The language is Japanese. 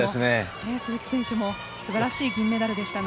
鈴木選手もすばらしい銀メダルでしたね。